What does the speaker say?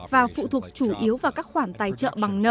và phụ thuộc chủ yếu vào các khoản tài trợ bằng nợ